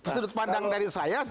sudut pandang dari saya